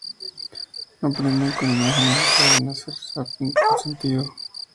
Aprenden con imágenes y saben hacer zapping con sentido.